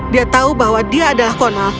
dia tahu bahwa dia adalah konal